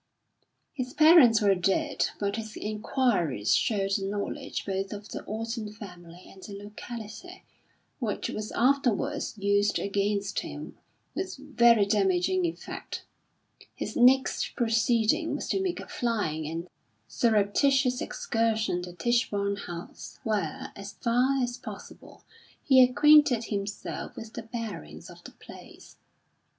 His parents were dead, but his enquiries showed a knowledge, both of the Orton family and the locality, which was afterwards used against him with very damaging effect. His next proceeding was to make a flying and surreptitious excursion to Tichborne House, where, as far as possible, he acquainted himself with the bearings of the place.